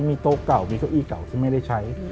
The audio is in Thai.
มีโต๊ะเก่ามีเก้าอี้เก่าซึ่งไม่ได้ใช้